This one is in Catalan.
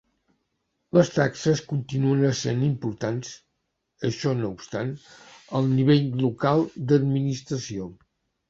Les taxes continuen essent importants, això no obstant, al nivell local d'administració.